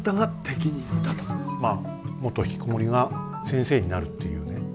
まあ元ひきこもりが先生になるっていうね